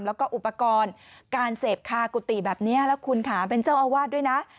แล้วก็อุปกรณ์การเสพคากุฏิแบบนี้แล้วคุณค่ะเป็นเจ้าอาวาสด้วยนะ